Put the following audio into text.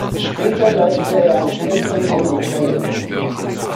Später leitete er ein Tenniszentrum in Köngen.